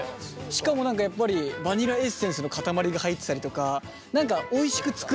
しかもやっぱりバニラエッセンスの塊が入ってたりとか何かおいしく作れないんだよね。